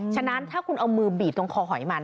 ฉะนั้นถ้าคุณเอามือบีบตรงคอหอยมัน